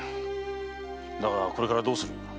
だがこれからどうする？